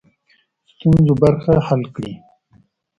ستونزو برخه حل کړي.